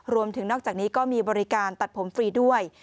นอกจากนี้ก็มีบริการตัดผมฟรีด้วย